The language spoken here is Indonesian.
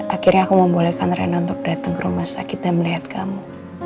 akhirnya aku membolehkan rena untuk datang ke rumah sakit dan melihat kamu